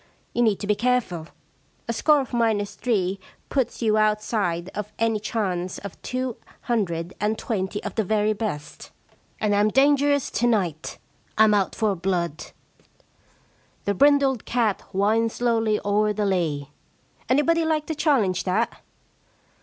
You need to be careful. A score of minus three puts you outside of any chance of two hundred and twenty of the very best. And Tm dangerous to night — Fm out for blood. The brindled cat winds slowly o*er the lea— anybody like to challenge that